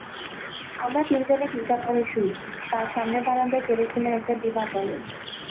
আমরা তিনজনে তিনটা ঘরে শুই, তার সামনের বারান্দায় কেরোসিনের একটা ডিবা জ্বলে।